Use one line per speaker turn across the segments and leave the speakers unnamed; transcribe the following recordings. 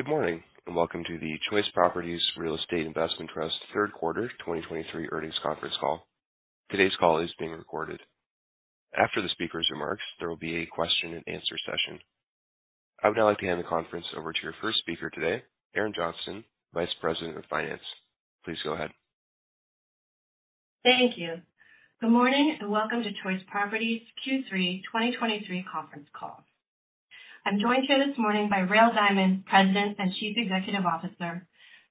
Good morning, and welcome to the Choice Properties Real Estate Investment Trust third quarter 2023 earnings conference call. Today's call is being recorded. After the speaker's remarks, there will be a question and answer session. I would now like to hand the conference over to your first speaker today, Erin Johnston, Vice President of Finance. Please go ahead.
Thank you. Good morning, and welcome to Choice Properties Q3 2023 conference call. I'm joined here this morning by Rael Diamond, President and Chief Executive Officer,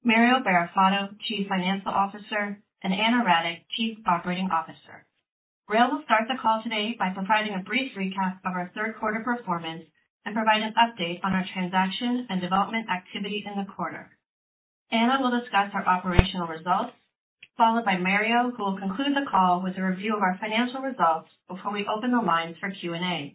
Mario Barrafato, Chief Financial Officer, and Ana Radic, Chief Operating Officer. Rael will start the call today by providing a brief recap of our third quarter performance and provide an update on our transaction and development activity in the quarter. Ana will discuss our operational results, followed by Mario, who will conclude the call with a review of our financial results before we open the lines for Q&A.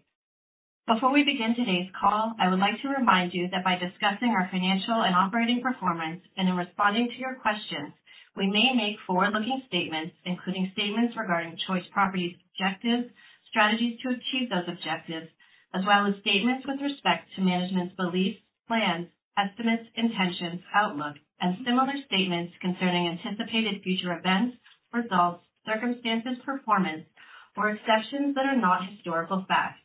Before we begin today's call, I would like to remind you that by discussing our financial and operating performance and in responding to your questions, we may make forward-looking statements, including statements regarding Choice Properties objectives, strategies to achieve those objectives, as well as statements with respect to management's beliefs, plans, estimates, intentions, outlook, and similar statements concerning anticipated future events, results, circumstances, performance, or exceptions that are not historical facts.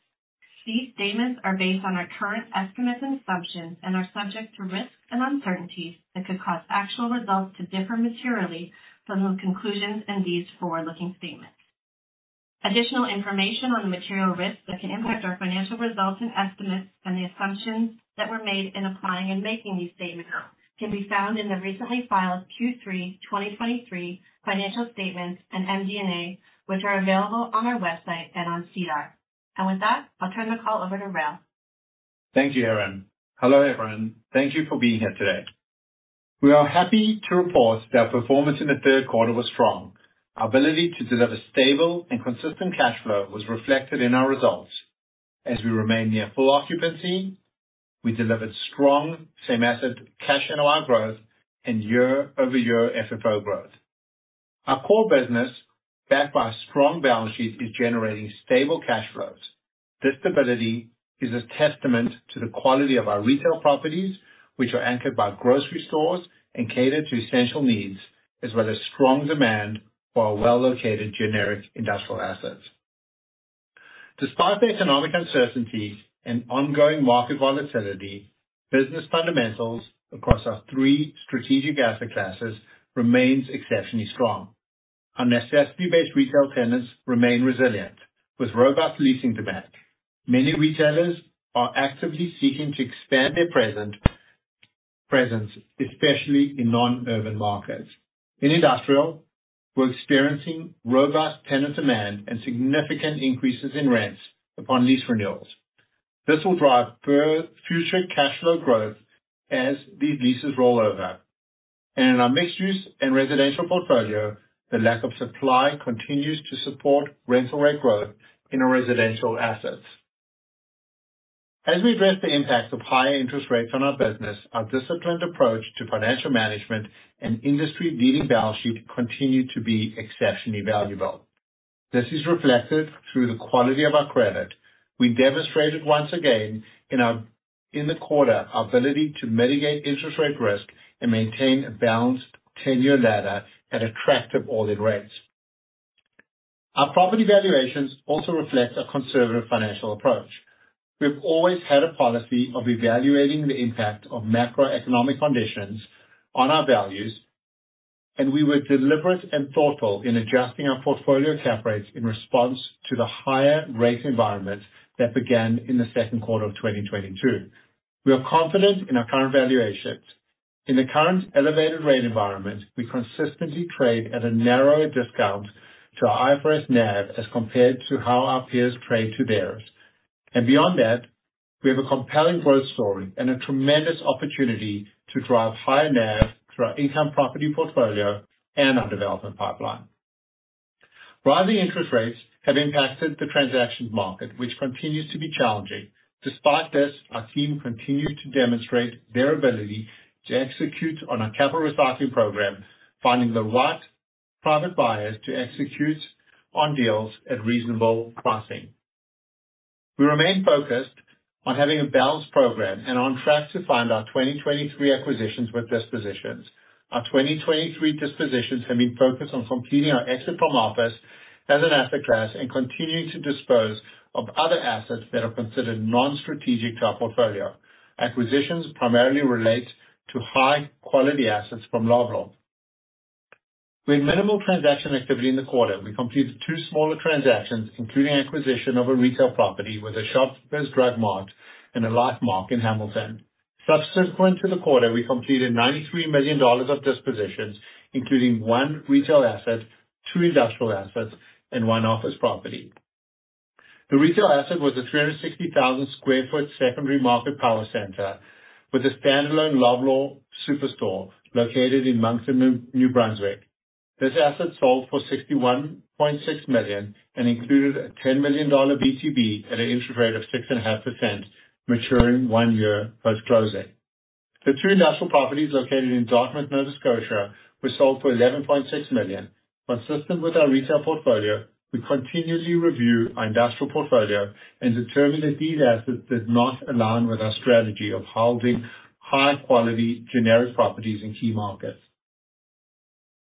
These statements are based on our current estimates and assumptions and are subject to risks and uncertainties that could cause actual results to differ materially from the conclusions in these forward-looking statements. Additional information on the material risks that can impact our financial results and estimates and the assumptions that were made in applying and making these statements can be found in the recently filed Q3 2023 financial statements and MD&A, which are available on our website and on SEDAR. With that, I'll turn the call over to Rael.
Thank you, Erin. Hello, everyone. Thank you for being here today. We are happy to report that our performance in the third quarter was strong. Our ability to deliver stable and consistent cash flow was reflected in our results. As we remain near full occupancy, we delivered strong same asset cash NOI growth and year-over-year FFO growth. Our core business, backed by a strong balance sheet, is generating stable cash flows. This stability is a testament to the quality of our retail properties, which are anchored by grocery stores and cater to essential needs, as well as strong demand for our well-located generic Industrial assets. Despite the economic uncertainty and ongoing market volatility, business fundamentals across our three strategic asset classes remains exceptionally strong. Our necessity-based retail tenants remain resilient, with robust leasing demand. Many retailers are actively seeking to expand their presence, especially in non-urban markets. In industrial, we're experiencing robust tenant demand and significant increases in rents upon lease renewals. This will drive future cash flow growth as these leases roll over. In our mixed-use and residential portfolio, the lack of supply continues to support rental rate growth in our residential assets. As we address the impacts of higher interest rates on our business, our disciplined approach to financial management and industry-leading balance sheet continue to be exceptionally valuable. This is reflected through the quality of our credit. We demonstrated once again in the quarter, our ability to mitigate interest rate risk and maintain a balanced ten-year ladder at attractive all-in rates. Our property valuations also reflect a conservative financial approach. We've always had a policy of evaluating the impact of macroeconomic conditions on our values, and we were deliberate and thoughtful in adjusting our portfolio cap rates in response to the higher rate environment that began in the second quarter of 2022. We are confident in our current valuations. In the current elevated rate environment, we consistently trade at a narrower discount to IFRS NAV as compared to how our peers trade to theirs. Beyond that, we have a compelling growth story and a tremendous opportunity to drive higher NAV through our income property portfolio and our development pipeline. Rising interest rates have impacted the transaction market, which continues to be challenging. Despite this, our team continued to demonstrate their ability to execute on our capital recycling program, finding the right private buyers to execute on deals at reasonable pricing. We remain focused on having a balanced program and on track to fund our 2023 acquisitions with dispositions. Our 2023 dispositions have been focused on completing our exit from office as an asset class and continuing to dispose of other assets that are considered non-strategic to our portfolio. Acquisitions primarily relate to high-quality assets from Loblaw. With minimal transaction activity in the quarter, we completed two smaller transactions, including acquisition of a retail property with a Shoppers Drug Mart and a Lifemark in Hamilton. Subsequent to the quarter, we completed 93 million dollars of dispositions, including one retail asset, two Industrial Assets, and one office property. The retail asset was a 360,000 sq ft secondary market power center with a standalone Loblaw Superstore located in Moncton, New Brunswick. This asset sold for 61.6 million and included a 10 million dollar VTB at an interest rate of 6.5%, maturing one year post-closing. The two industrial properties located in Dartmouth, Nova Scotia, were sold for 11.6 million. Consistent with our retail portfolio, we continuously review our industrial portfolio and determine that these assets did not align with our strategy of holding high quality generic properties in key markets.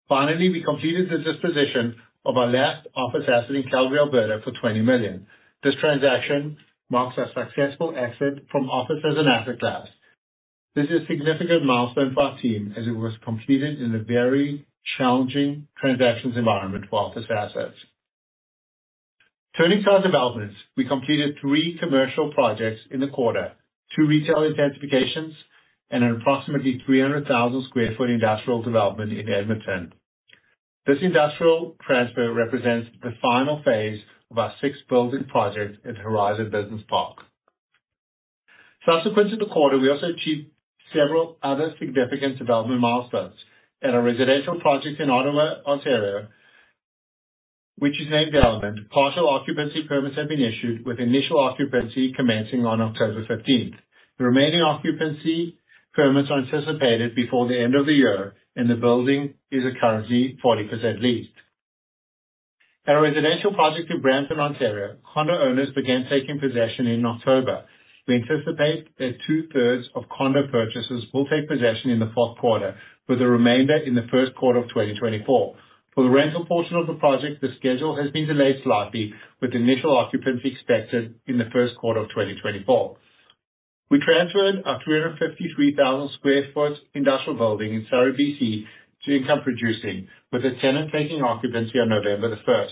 Finally, we completed the disposition of our last office asset in Calgary, Alberta, for 20 million. This transaction marks our successful exit from offices and asset class. This is a significant milestone for our team as it was completed in a very challenging transactions environment for office assets. Turning to our developments, we completed three commercial projects in the quarter, two retail intensifications and an approximately 300,000 sq ft industrial development in Edmonton. This industrial transfer represents the final phase of our six building projects at Horizon Business Park. Subsequent to the quarter, we also achieved several other significant development milestones. At our residential project in Ottawa, Ontario, which is now developed, partial occupancy permits have been issued with initial occupancy commencing on October fifteenth. The remaining occupancy permits are anticipated before the end of the year, and the building is currently 40% leased. At our residential project in Brampton, Ontario, condo owners began taking possession in October. We anticipate that two-thirds of condo purchasers will take possession in the fourth quarter, with the remainder in the first quarter of 2024. For the rental portion of the project, the schedule has been delayed slightly, with initial occupants expected in the first quarter of 2024. We transferred our 353,000 sq ft industrial building in Surrey, BC, to income producing, with the tenant taking occupancy on November 1.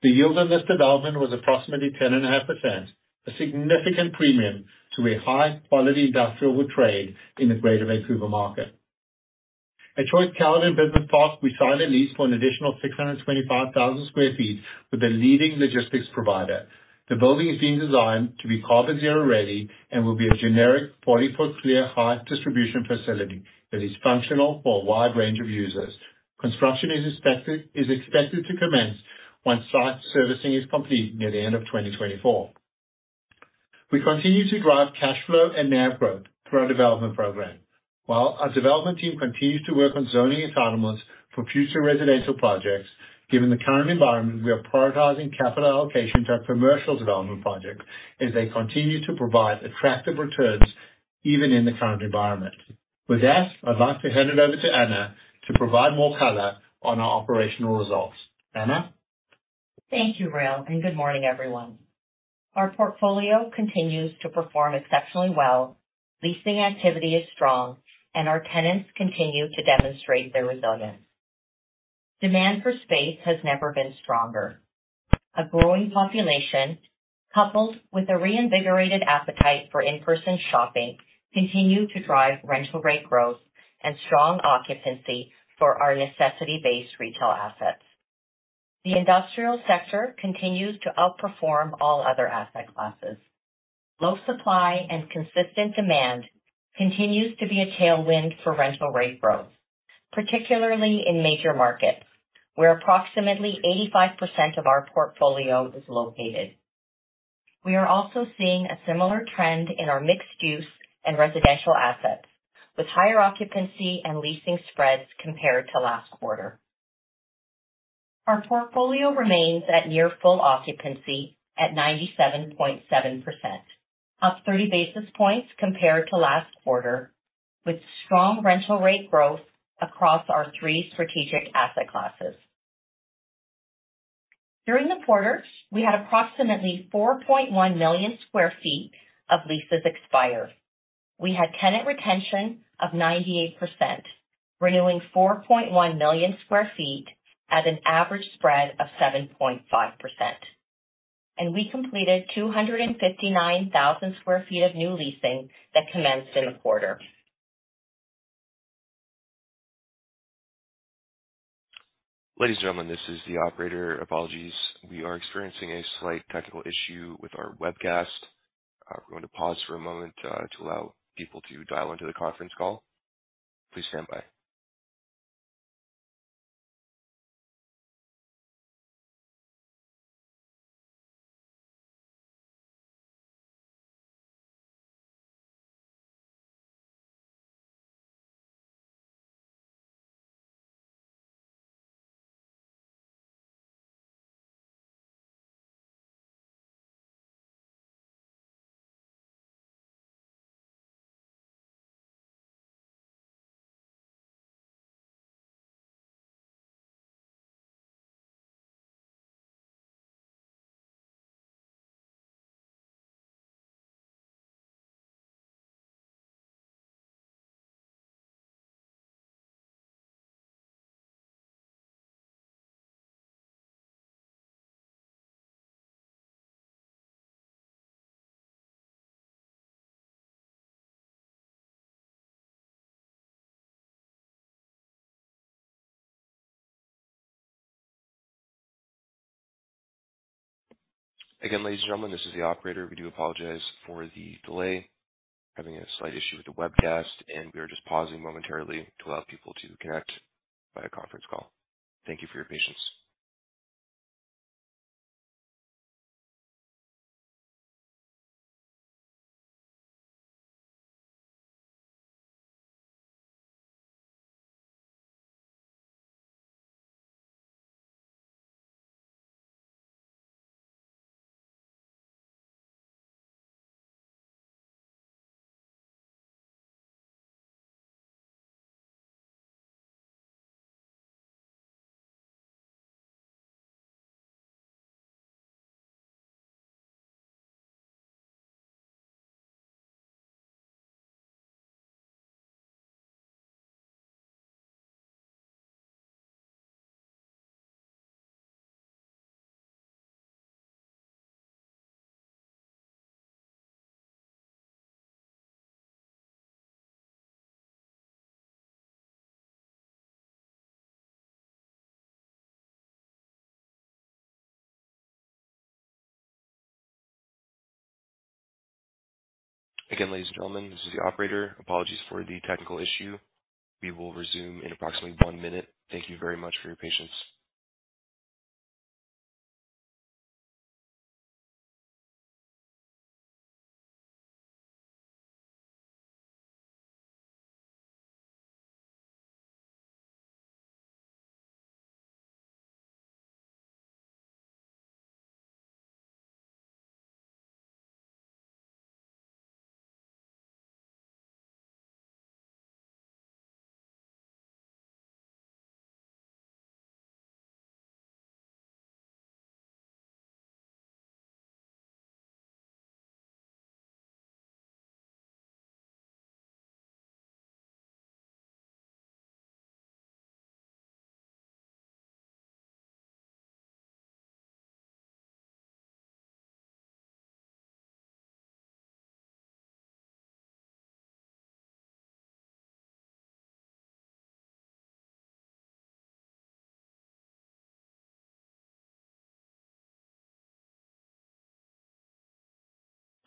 The yield on this development was approximately 10.5%, a significant premium to where high-quality industrial would trade in the Greater Vancouver market. At Choice Caledon Business Park, we signed a lease for an additional 625,000 sq ft with a leading logistics provider. The building is being designed to be carbon zero-ready and will be a generic 40-foot clear height distribution facility that is functional for a wide range of users. Construction is expected to commence once site servicing is complete near the end of 2024. We continue to drive cash flow and NAV growth through our development program. While our development team continues to work on zoning entitlements for future residential projects, given the current environment, we are prioritizing capital allocation to our commercial development projects as they continue to provide attractive returns even in the current environment. With that, I'd like to hand it over to Ana to provide more color on our operational results. Ana?
Thank you, Ray, and good morning, everyone. Our portfolio continues to perform exceptionally well. Leasing activity is strong, and our tenants continue to demonstrate their resilience. Demand for space has never been stronger. A growing population, coupled with a reinvigorated appetite for in-person shopping, continue to drive rental rate growth and strong occupancy for our necessity-based retail assets. The industrial sector continues to outperform all other asset classes. Low supply and consistent demand continues to be a tailwind for rental rate growth, particularly in major markets, where approximately 85% of our portfolio is located. We are also seeing a similar trend in our mixed-use and residential assets, with higher occupancy and leasing spreads compared to last quarter. Our portfolio remains at near full occupancy at 97.7%, up 30 basis points compared to last quarter, with strong rental rate growth across our three strategic asset classes. During the quarter, we had approximately 4.1 million sq ft of leases expire. We had tenant retention of 98%, renewing 4.1 million sq ft at an average spread of 7.5%, and we completed 259,000 sq ft of new leasing that commenced in the quarter.
Ladies and gentlemen, this is the operator. Apologies, we are experiencing a slight technical issue with our webcast. We're going to pause for a moment to allow people to dial into the conference call. Please stand by. Again, ladies and gentlemen, this is the operator. We do apologize for the delay. Having a slight issue with the webcast, and we are just pausing momentarily to allow people to connect by the conference call. Thank you for your patience. Again, ladies and gentlemen, this is the operator. Apologies for the technical issue. We will resume in approximately one minute. Thank you very much for your patience.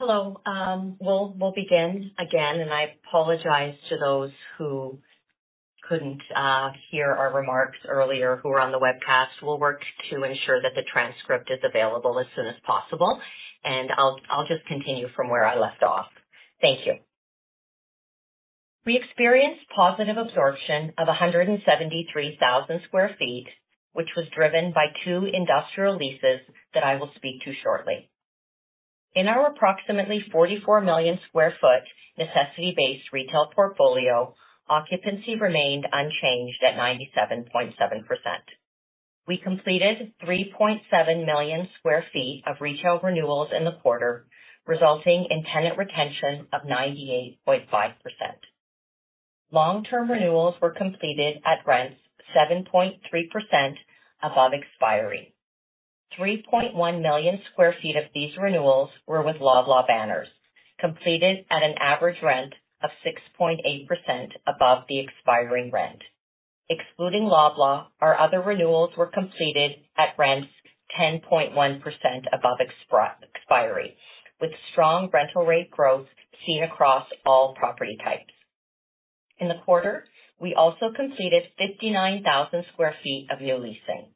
Hello. We'll, we'll begin again, and I apologize to those who couldn't hear our remarks earlier who were on the webcast. We'll work to ensure that the transcript is available as soon as possible, and I'll, I'll just continue from where I left off. Thank you. We experienced positive absorption of 173,000 sq ft, which was driven by two industrial leases that I will speak to shortly. In our approximately 44 million sq ft necessity-based retail portfolio, occupancy remained unchanged at 97.7%. We completed 3.7 million sq ft of retail renewals in the quarter, resulting in tenant retention of 98.5%. Long-term renewals were completed at rents 7.3% above expiry. 3.1 million sq ft of these renewals were with Loblaw banners, completed at an average rent of 6.8% above the expiring rent. Excluding Loblaw, our other renewals were completed at rents 10.1% above expiry, with strong rental rate growth seen across all property types. In the quarter, we also completed 59,000 sq ft of new leasing.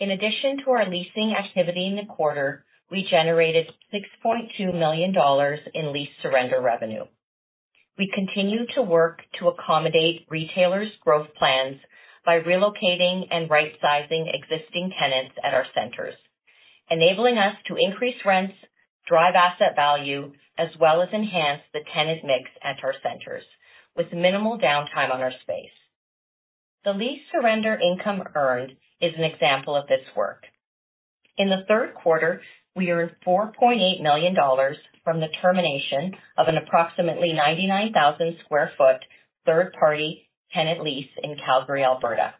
In addition to our leasing activity in the quarter, we generated 6.2 million dollars in lease surrender revenue. We continue to work to accommodate retailers' growth plans by relocating and rightsizing existing tenants at our centers, enabling us to increase rents, drive asset value, as well as enhance the tenant mix at our centers with minimal downtime on our space. The lease surrender income earned is an example of this work. In the third quarter, we earned 4.8 million dollars from the termination of an approximately 99,000 sq ft third-party tenant lease in Calgary, Alberta.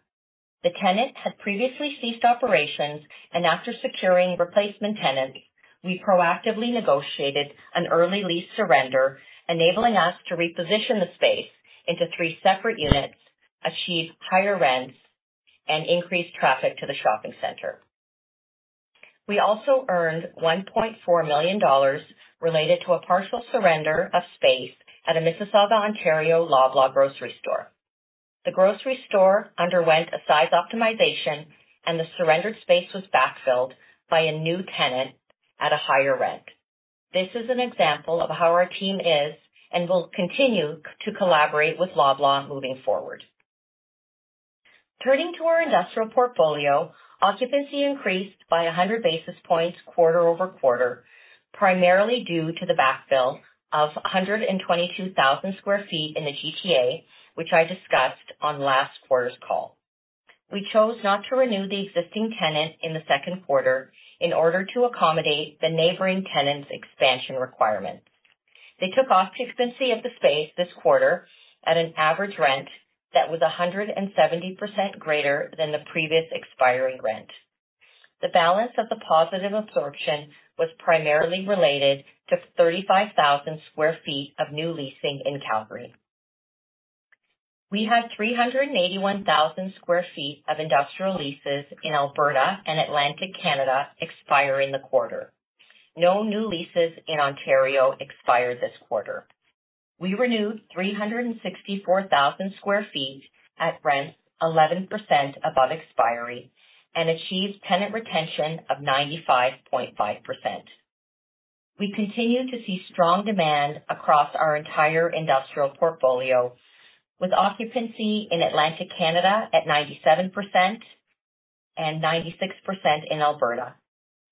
The tenant had previously ceased operations, and after securing replacement tenants, we proactively negotiated an early lease surrender, enabling us to reposition the space into three separate units, achieve higher rents, and increase traffic to the shopping center. We also earned 1.4 million dollars related to a partial surrender of space at a Mississauga, Ontario, Loblaw grocery store. The grocery store underwent a size optimization, and the surrendered space was backfilled by a new tenant at a higher rent. This is an example of how our team is and will continue to collaborate with Loblaw moving forward. Turning to our industrial portfolio, occupancy increased by 100 basis points quarter-over-quarter, primarily due to the backfill of 122,000 sq ft in the GTA, which I discussed on last quarter's call. We chose not to renew the existing tenant in the second quarter in order to accommodate the neighboring tenant's expansion requirements. They took occupancy of the space this quarter at an average rent that was 170% greater than the previous expiring rent. The balance of the positive absorption was primarily related to 35,000 sq ft of new leasing in Calgary. We had 381,000 sq ft of industrial leases in Alberta and Atlantic Canada expire in the quarter. No new leases in Ontario expired this quarter. We renewed 364,000 sq ft at rents 11% above expiry and achieved tenant retention of 95.5%. We continue to see strong demand across our entire industrial portfolio, with occupancy in Atlantic Canada at 97% and 96% in Alberta,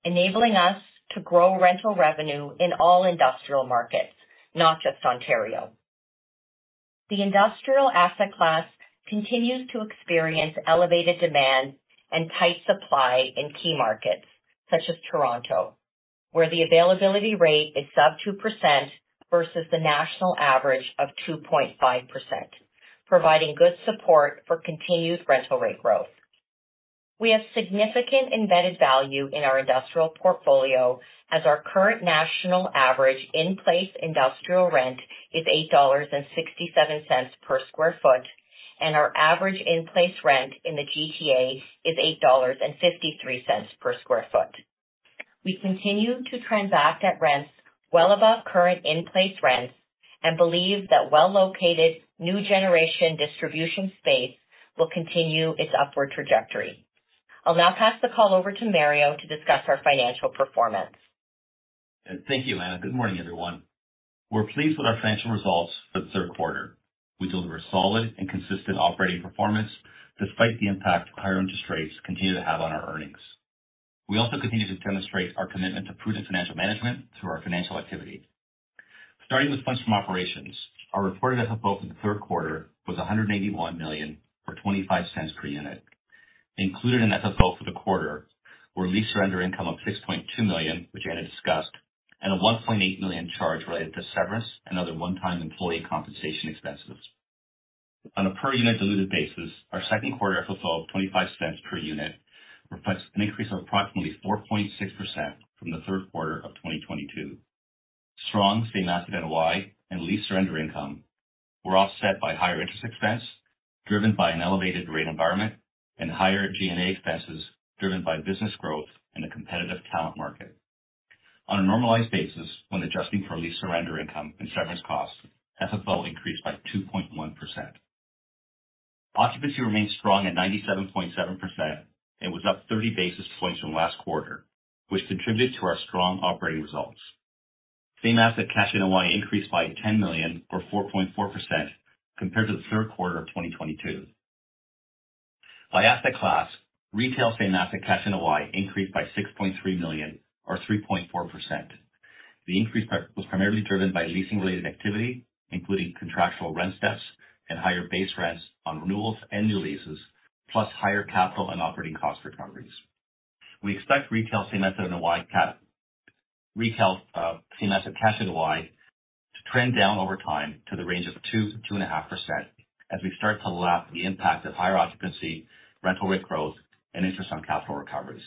enabling us to grow rental revenue in all industrial markets, not just Ontario. The industrial asset class continues to experience elevated demand and tight supply in key markets such as Toronto, where the availability rate is sub 2% versus the national average of 2.5%, providing good support for continued rental rate growth. We have significant embedded value in our industrial portfolio as our current national average in-place industrial rent is 8.67 dollars per sq ft, and our average in-place rent in the GTA is 8.53 dollars per sq ft. We continue to transact at rents well above current in-place rents and believe that well-located, new generation distribution space will continue its upward trajectory. I'll now pass the call over to Mario to discuss our financial performance.
Thank you, Ana. Good morning, everyone. We're pleased with our financial results for the third quarter. We delivered solid and consistent operating performance despite the impact higher interest rates continue to have on our earnings. We also continue to demonstrate our commitment to prudent financial management through our financial activity. Starting with funds from operations, our reported FFO for the third quarter was 181 million, or 0.25 per unit. Included in FFO for the quarter were lease surrender income of 6.2 million, which Ana discussed, and a 1.8 million charge related to severance and other one-time employee compensation expenses. On a per unit diluted basis, our second quarter FFO of 0.25 per unit reflects an increase of approximately 4.6% from the third quarter of 2022. Strong same asset NOI and lease surrender income were offset by higher interest expense, driven by an elevated rate environment and higher G&A expenses driven by business growth and a competitive talent market. On a normalized basis, when adjusting for lease surrender income and severance costs, FFO increased by 2.1%. Occupancy remains strong at 97.7% and was up 30 basis points from last quarter, which contributed to our strong operating results. Same asset cash NOI increased by 10 million, or 4.4%, compared to the third quarter of 2022. By asset class, retail same asset cash NOI increased by 6.3 million, or 3.4%. The increase was primarily driven by leasing-related activity, including contractual rent steps and higher base rents on renewals and new leases, plus higher capital and operating cost recoveries. We expect retail same asset cash NOI to trend down over time to the range of 2-2.5% as we start to lap the impact of higher occupancy, rental rate growth, and interest on capital recoveries.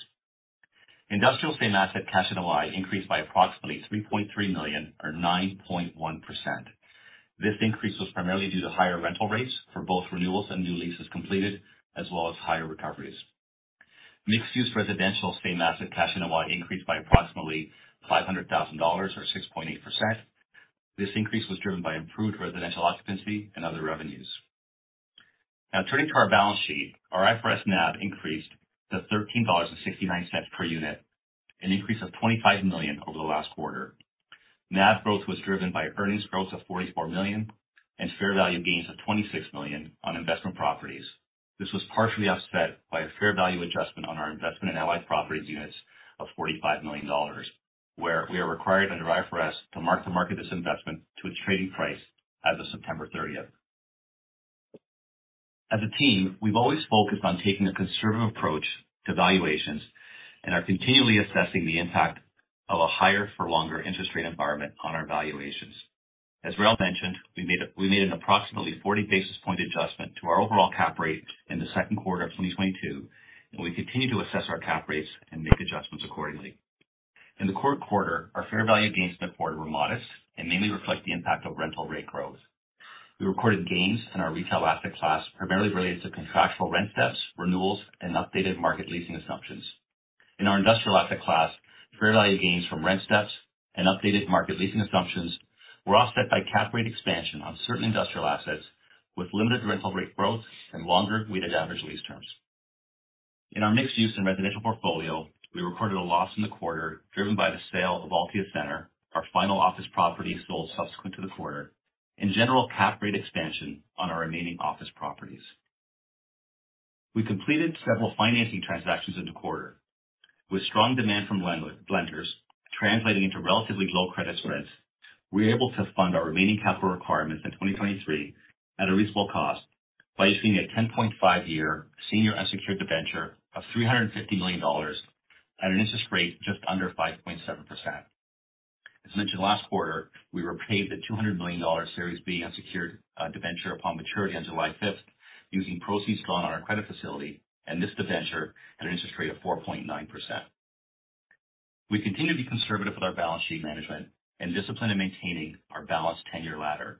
Industrial same asset cash NOI increased by approximately 3.3 million, or 9.1%. This increase was primarily due to higher rental rates for both renewals and new leases completed, as well as higher recoveries. Mixed-use residential same asset cash NOI increased by approximately 500,000 dollars, or 6.8%. This increase was driven by improved residential occupancy and other revenues. Now, turning to our balance sheet, our IFRS NAV increased to 13.69 dollars per unit, an increase of 25 million over the last quarter. NAV growth was driven by earnings growth of 44 million and fair value gains of 26 million on investment properties. This was partially offset by a fair value adjustment on our investment in Allied Properties units of 45 million dollars, where we are required under IFRS to mark to market this investment to a trading price as of September 30. As a team, we've always focused on taking a conservative approach to valuations and are continually assessing the impact of a higher for longer interest rate environment on our valuations. As Rael mentioned, we made an approximately 40 basis points adjustment to our overall cap rate in the second quarter of 2022, and we continue to assess our cap rates and make adjustments accordingly. In the current quarter, our fair value gains and reported were modest and mainly reflect the impact of rental rate growth. We recorded gains in our retail asset class, primarily related to contractual rent steps, renewals, and updated market leasing assumptions. In our industrial asset class, fair value gains from rent steps and updated market leasing assumptions were offset by cap rate expansion on certain industrial assets, with limited rental rate growth and longer weighted average lease terms. In our mixed use and residential portfolio, we recorded a loss in the quarter, driven by the sale of Altius Centre, our final office property sold subsequent to the quarter, and general cap rate expansion on our remaining office properties. We completed several financing transactions in the quarter. With strong demand from lenders translating into relatively low credit spreads, we were able to fund our remaining capital requirements in 2023 at a reasonable cost by issuing a 10.5-year senior unsecured debenture of 350 million dollars at an interest rate just under 5.7%. As mentioned last quarter, we repaid the 200 million dollar Series B unsecured debenture upon maturity on July 5, using proceeds drawn on our credit facility and this debenture at an interest rate of 4.9%. We continue to be conservative with our balance sheet management and disciplined in maintaining our balanced ten-year ladder.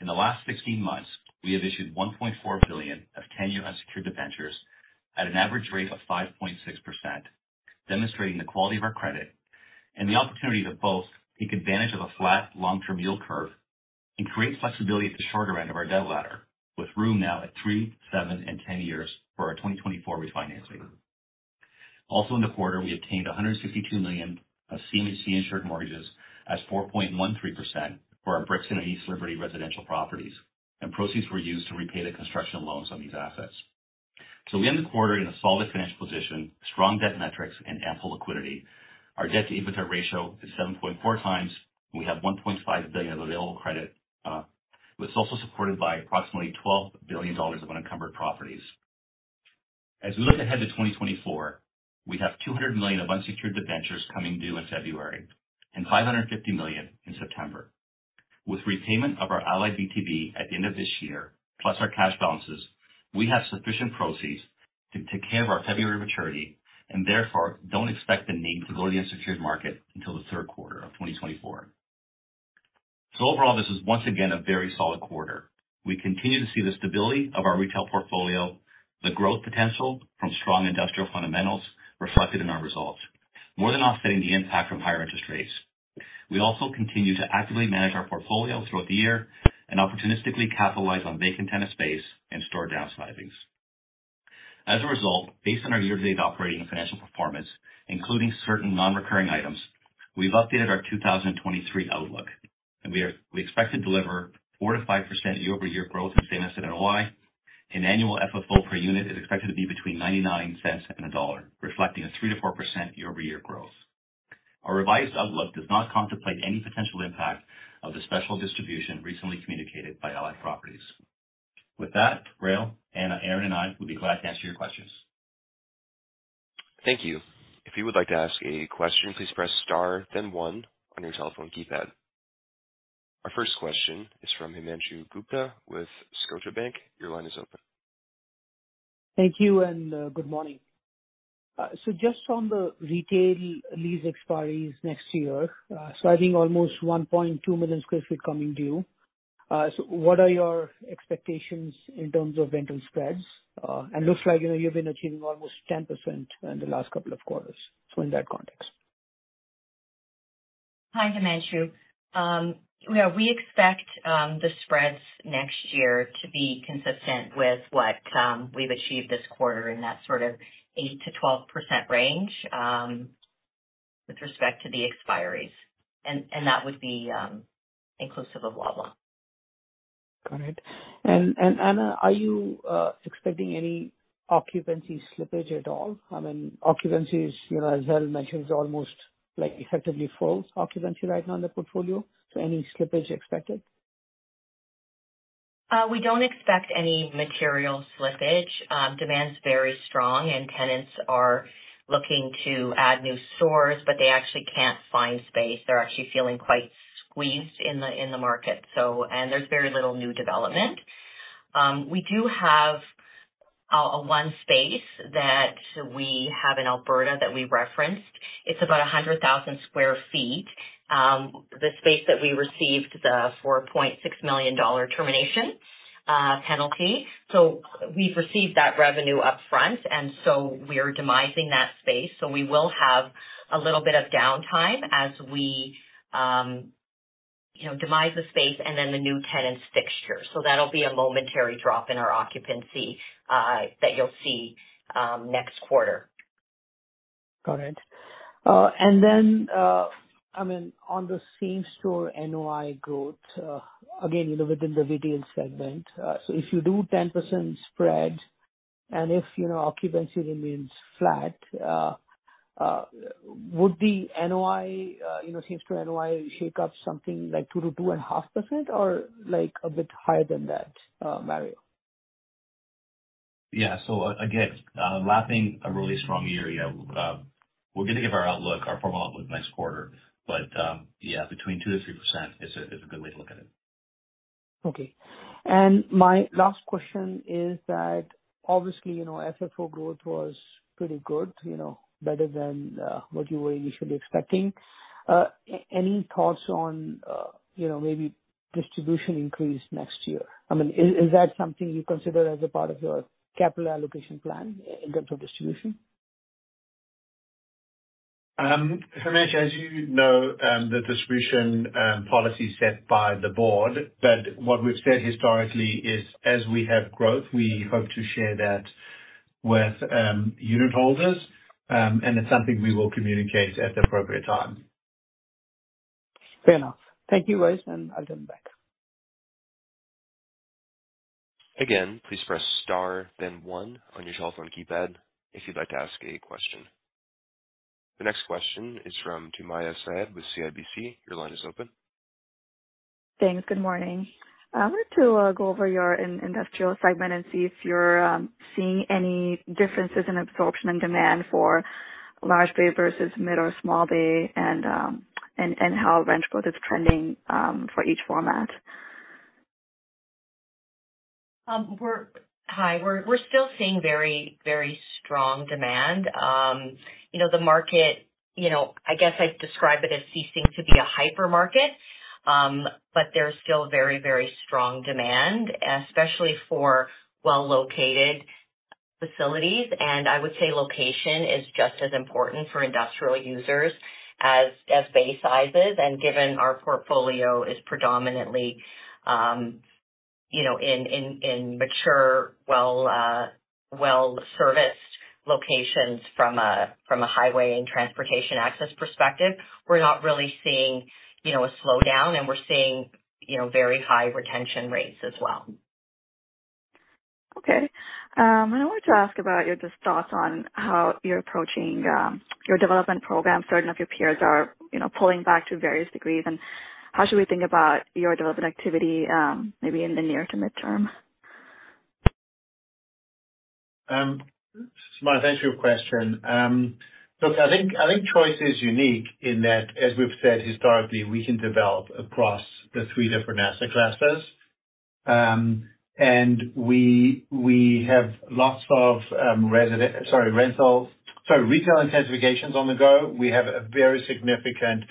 In the last 16 months, we have issued 1.4 billion of ten-year unsecured debentures. At an average rate of 5.6%, demonstrating the quality of our credit and the opportunity to both take advantage of a flat long-term yield curve and create flexibility at the shorter end of our debt ladder, with room now at three, seven, and 10 years for our 2024 refinancing. Also, in the quarter, we obtained 162 million of CMHC insured mortgages at 4.13% for our Brixton and East Liberty residential properties, and proceeds were used to repay the construction loans on these assets. So we end the quarter in a solid financial position, strong debt metrics, and ample liquidity. Our debt-to-inventory ratio is 7.4x, and we have 1.5 billion of available credit, which is also supported by approximately 12 billion dollars of unencumbered properties. As we look ahead to 2024, we have 200 million of unsecured debentures coming due in February and 550 million in September. With repayment of our Allied VTB at the end of this year, plus our cash balances, we have sufficient proceeds to take care of our February maturity and therefore don't expect the need to go to the unsecured market until the third quarter of 2024. So overall, this is once again a very solid quarter. We continue to see the stability of our retail portfolio, the growth potential from strong industrial fundamentals reflected in our results, more than offsetting the impact from higher interest rates. We also continue to actively manage our portfolio throughout the year and opportunistically capitalize on vacant tenant space and store downsizings. As a result, based on our year-to-date operating and financial performance, including certain non-recurring items, we've updated our 2023 outlook, and we expect to deliver 4%-5% year-over-year growth in same-store NOI. Annual FFO per unit is expected to be between 0.99 and CAD 1.00, reflecting a 3%-4% year-over-year growth. Our revised outlook does not contemplate any potential impact of the special distribution recently communicated by Allied Properties. With that, Rael, Ana, Erin, and I will be glad to answer your questions.
Thank you. If you would like to ask a question, please press star then one on your telephone keypad. Our first question is from Himanshu Gupta with Scotiabank. Your line is open.
Thank you, and good morning. So just from the retail lease expiries next year, citing almost 1.2 million sq ft coming due, so what are your expectations in terms of rental spreads? And looks like, you know, you've been achieving almost 10% in the last couple of quarters. So in that context.
Hi, Himanshu. Yeah, we expect the spreads next year to be consistent with what we've achieved this quarter, in that sort of 8%-12% range, with respect to the expiries, and that would be inclusive of Loblaw.
Got it. And, Ana, are you expecting any occupancy slippage at all? I mean, occupancy is, you know, as well mentioned, is almost like effectively false occupancy right now in the portfolio. So any slippage expected?
We don't expect any material slippage. Demand's very strong, and tenants are looking to add new stores, but they actually can't find space. They're actually feeling quite squeezed in the market, so... There's very little new development. We do have one space that we have in Alberta that we referenced. It's about 100,000 sq ft. The space that we received, the 4.6 million dollar termination penalty. So we've received that revenue upfront, and so we're demising that space, so we will have a little bit of downtime as we, you know, demise the space and then the new tenants fixture. So that'll be a momentary drop in our occupancy that you'll see next quarter.
Got it. And then, I mean, on the same store NOI growth, again, you know, within the retail segment, so if you do 10% spread and if, you know, occupancy remains flat, would the NOI, you know, seems to NOI shake up something like 2%-2.5% or like a bit higher than that, Mario?
Yeah. So again, lapping a really strong year, you know, we're going to give our outlook, our formal outlook next quarter. But, yeah, between 2%-3% is a good way to look at it.
Okay. And my last question is that obviously, you know, FFO growth was pretty good, you know, better than what you were initially expecting. Any thoughts on, you know, maybe distribution increase next year? I mean, is that something you consider as a part of your capital allocation plan in terms of distribution?
Himanshu, as you know, the distribution policy is set by the board, but what we've said historically is, as we have growth, we hope to share that with unit holders. And it's something we will communicate at the appropriate time.
Fair enough. Thank you, guys, and I'll jump back.
Again, please press star then one on your telephone keypad if you'd like to ask a question. The next question is from Sumayya Syed with CIBC. Your line is open.
Thanks. Good morning. I wanted to go over your industrial segment and see if you're seeing any differences in absorption and demand for large bay versus mid or small bay, and how rent growth is trending for each format.
We're still seeing very, very strong demand. You know, the market, you know, I guess I'd describe it as ceasing to be a hypermarket. But there's still very, very strong demand, especially for well-located facilities. And I would say location is just as important for industrial users as bay sizes. And given our portfolio is predominantly, you know, in mature, well-serviced locations from a highway and transportation access perspective, we're not really seeing, you know, a slowdown, and we're seeing, you know, very high retention rates as well.
Okay. I wanted to ask about your just thoughts on how you're approaching your development program. Certain of your peers are, you know, pulling back to various degrees, and how should we think about your development activity, maybe in the near to mid-term?
Sumayya, thanks for your question. Look, I think choice is unique in that, as we've said historically, we can develop across the three different asset classes. And we have lots of resident... Sorry, rentals, sorry, retail intensifications on the go. We have a very significant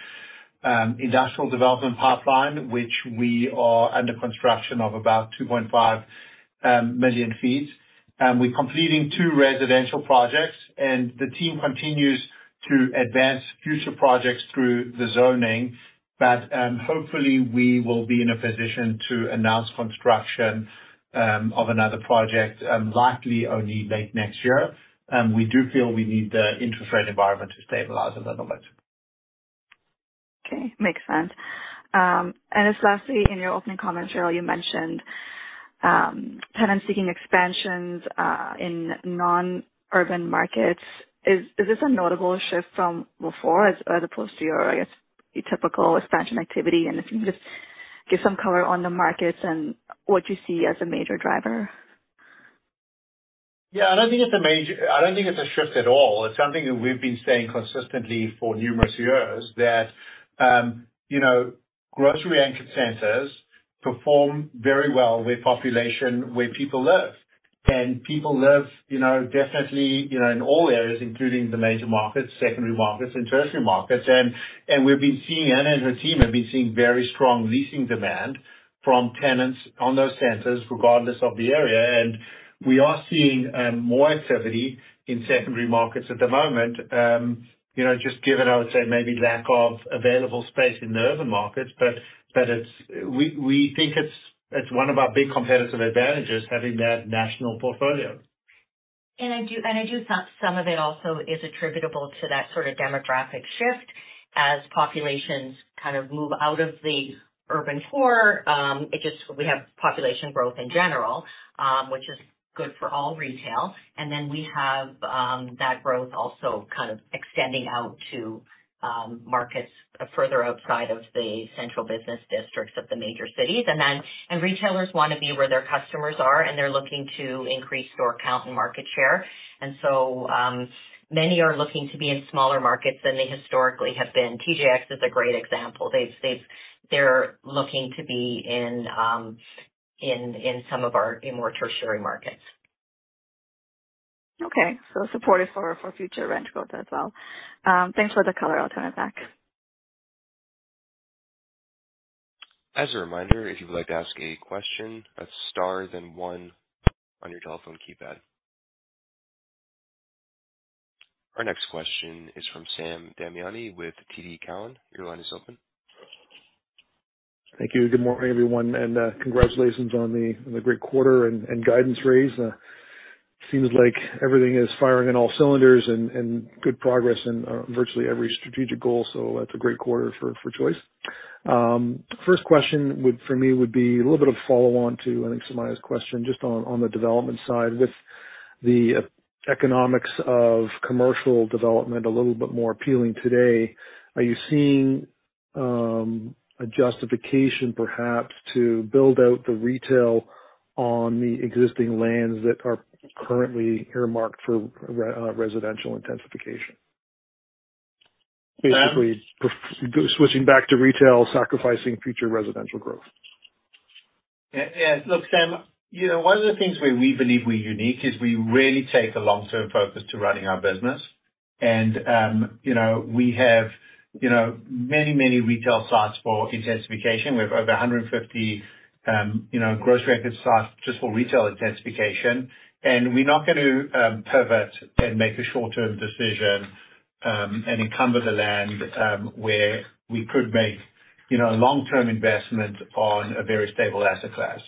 industrial development pipeline, which we are under construction of about 2.5 million sq ft. We're completing two residential projects, and the team continues to advance future projects through the zoning. But hopefully, we will be in a position to announce construction of another project, likely only late next year. We do feel we need the interest rate environment to stabilize a little bit.
Okay, makes sense. And just lastly, in your opening comments, Rael, you mentioned tenants seeking expansions in non-urban markets. Is this a notable shift from before as opposed to your, I guess, your typical expansion activity? And if you can just give some color on the markets and what you see as a major driver?
Yeah, I don't think it's a shift at all. It's something that we've been saying consistently for numerous years that, you know, grocery-anchored centers perform very well with population, where people live. And people live, you know, definitely, you know, in all areas, including the major markets, secondary markets, and tertiary markets. And we've been seeing, Ana and her team have been seeing very strong leasing demand from tenants on those centers, regardless of the area. And we are seeing more activity in secondary markets at the moment. You know, just given, I would say, maybe lack of available space in the urban markets, but we think it's one of our big competitive advantages, having that national portfolio.
And I do think some of it also is attributable to that sort of demographic shift as populations kind of move out of the urban core. It just... We have population growth in general, which is good for all retail. And then we have that growth also kind of extending out to markets further outside of the central business districts of the major cities. And then retailers want to be where their customers are, and they're looking to increase store count and market share. And so many are looking to be in smaller markets than they historically have been. TJX is a great example. They're looking to be in some of our more tertiary markets.
Okay. So supportive for future rent growth as well. Thanks for the color. I'll turn it back.
As a reminder, if you'd like to ask a question, press star then one on your telephone keypad. Our next question is from Sam Damiani with TD Cowen. Your line is open.
Thank you. Good morning, everyone, and congratulations on the great quarter and guidance raise. Seems like everything is firing on all cylinders and good progress in virtually every strategic goal. So that's a great quarter for Choice. First question, for me, would be a little bit of follow-on to, I think, Smaya's question, just on the development side. With the economics of commercial development a little bit more appealing today, are you seeing a justification perhaps to build out the retail on the existing lands that are currently earmarked for residential intensification?
Sam-
Basically, switching back to retail, sacrificing future residential growth.
Yeah. Yeah. Look, Sam, you know, one of the things where we believe we're unique is we really take a long-term focus to running our business. And, you know, we have, you know, many, many retail sites for intensification. We have over 150, you know, grocery-anchored sites just for retail intensification, and we're not going to pivot and make a short-term decision, and encumber the land, where we could make, you know, a long-term investment on a very stable asset class.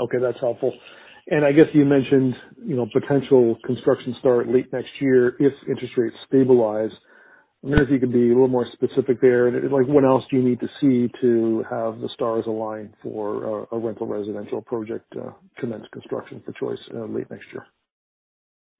Okay, that's helpful. And I guess you mentioned, you know, potential construction start late next year if interest rates stabilize. I wonder if you could be a little more specific there, and, like, what else do you need to see to have the stars aligned for a rental residential project commence construction for choice late next year?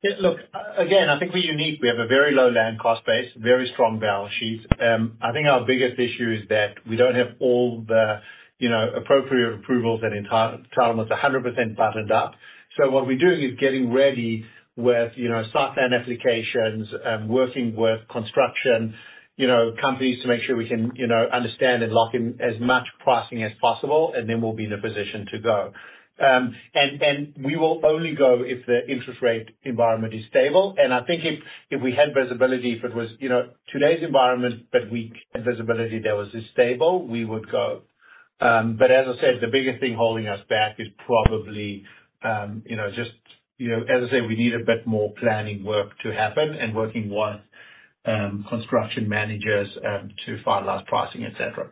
Yeah, look, again, I think we're unique. We have a very low land cost base, very strong balance sheet. I think our biggest issue is that we don't have all the, you know, appropriate approvals and entitlements a hundred percent buttoned up. So what we're doing is getting ready with, you know, site plan applications, working with construction, you know, companies to make sure we can, you know, understand and lock in as much pricing as possible, and then we'll be in a position to go. And we will only go if the interest rate environment is stable. And I think if we had visibility, if it was, you know, today's environment, but we had visibility that was this stable, we would go. But as I said, the biggest thing holding us back is probably, you know, just, you know, as I said, we need a bit more planning work to happen and working with construction managers to finalize pricing, et cetera.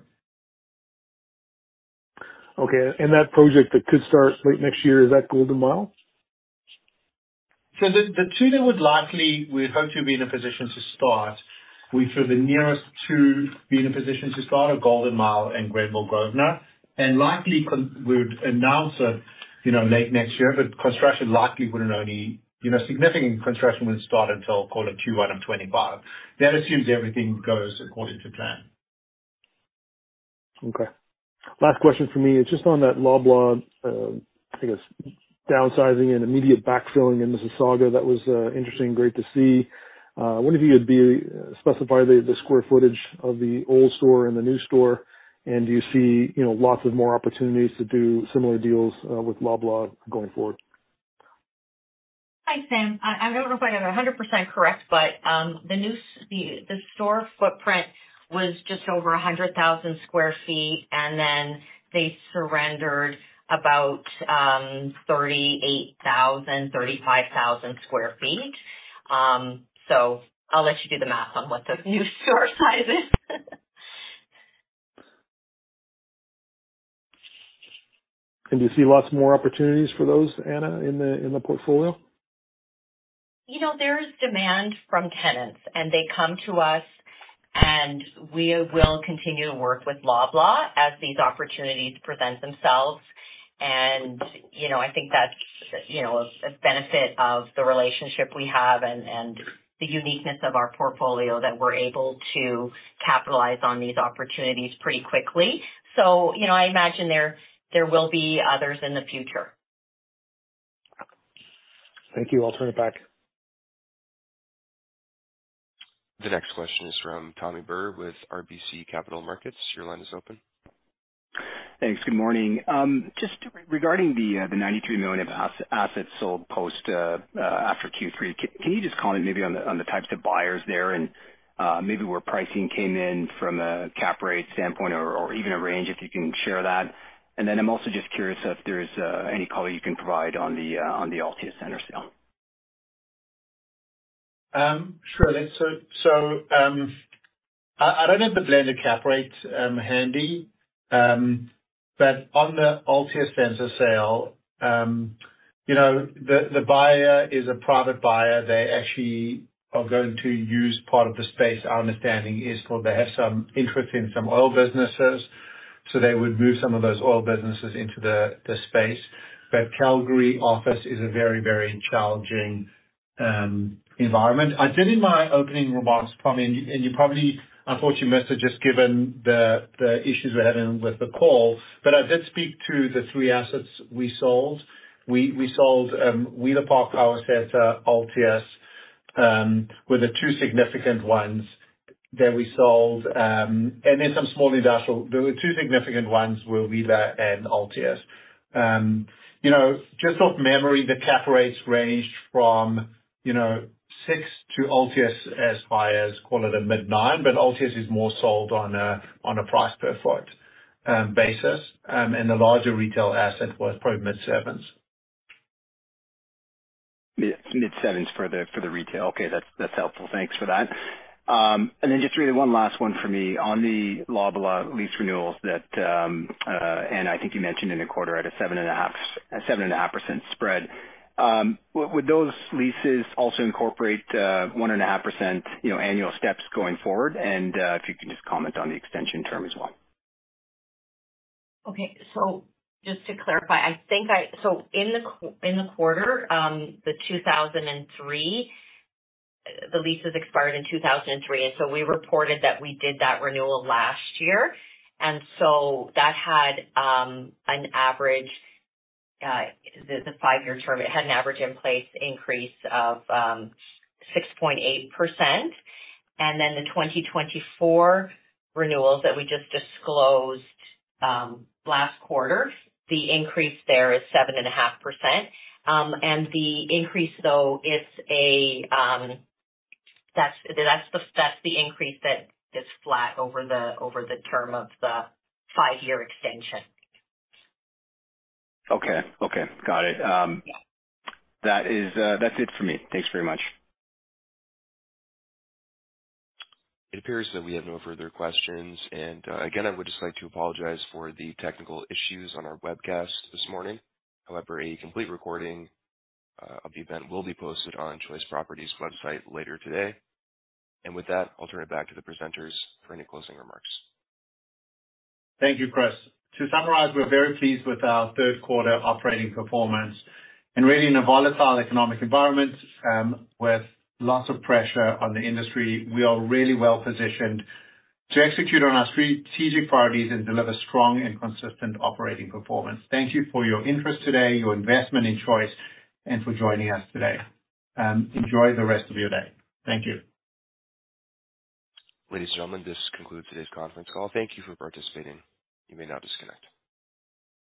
Okay. And that project that could start late next year, is that Golden Mile?
So the two that would likely, we'd hope to be in a position to start, we feel the nearest to be in a position to start are Golden Mile and Granville Grosvenor. And likely we would announce that, you know, late next year, but construction likely wouldn't only, you know, significant construction wouldn't start until quarter two, 2025. That assumes everything goes according to plan.
Okay. Last question for me is just on that Loblaw, I guess, downsizing and immediate backfilling in Mississauga. That was interesting. Great to see. Wonder if you would specify the square footage of the old store and the new store, and do you see, you know, lots of more opportunities to do similar deals with Loblaw going forward?
Hi, Sam. I don't know if I have it 100% correct, but the new store footprint was just over 100,000 sq ft, and then they surrendered about 38,000, 35,000 sq ft. So I'll let you do the math on what the new store size is.
Do you see lots more opportunities for those, Ana, in the portfolio?
You know, there is demand from tenants, and they come to us, and we will continue to work with Loblaw as these opportunities present themselves. You know, I think that's, you know, a benefit of the relationship we have and, and the uniqueness of our portfolio, that we're able to capitalize on these opportunities pretty quickly. You know, I imagine there, there will be others in the future.
Thank you. I'll turn it back.
The next question is from Pammi Bir with RBC Capital Markets. Your line is open.
Thanks. Good morning. Just regarding the 93 million of assets sold after Q3, can you just comment maybe on the types of buyers there and maybe where pricing came in from a cap rate standpoint or even a range, if you can share that? And then I'm also just curious if there's any color you can provide on the Altius Center sale.
Sure. So, I don't have the blended cap rate handy. But on the Altius Center sale, you know, the buyer is a private buyer. They actually are going to use part of the space. Our understanding is, well, they have some interest in some oil businesses, so they would move some of those oil businesses into the space. But Calgary office is a very, very challenging environment. I did in my opening remarks, Pammi, and you probably, unfortunately, missed it just given the issues we're having with the call, but I did speak to the three assets we sold. We sold Wheeler Park Power Centre, Altius were the two significant ones that we sold, and then some small industrial. The two significant ones were Wheeler and Altius. You know, just off memory, the cap rates ranged from, you know, 6% to 8s%, as high as call it a mid-9, but 8s% is more sold on a, on a price-per-foot basis. And the larger retail asset was probably mid-7s%.
Mid-sevens for the, for the retail. Okay, that's, that's helpful. Thanks for that. And then just really one last one for me. On the Loblaw lease renewals that, Ana, I think you mentioned in the quarter at a 7.5%, 7.5% spread. Would those leases also incorporate one and a half percent, you know, annual steps going forward? And if you can just comment on the extension term as well.
Okay. So just to clarify, so in the quarter, the 2003 leases expired in 2003, and so we reported that we did that renewal last year, and so that had an average, the five-year term, it had an average in place increase of 6.8%. And then the 2024 renewals that we just disclosed last quarter, the increase there is 7.5%. And the increase, though, it's a, that's the increase that is flat over the term of the five-year extension.
Okay. Okay. Got it. That is, that's it for me. Thanks very much.
It appears that we have no further questions. And, again, I would just like to apologize for the technical issues on our webcast this morning. However, a complete recording of the event will be posted on Choice Properties' website later today. And with that, I'll turn it back to the presenters for any closing remarks.
Thank you, Chris. To summarize, we're very pleased with our third quarter operating performance. Really, in a volatile economic environment, with lots of pressure on the industry, we are really well positioned to execute on our strategic priorities and deliver strong and consistent operating performance. Thank you for your interest today, your investment in Choice, and for joining us today. Enjoy the rest of your day. Thank you.
Ladies and gentlemen, this concludes today's conference call. Thank you for participating. You may now disconnect.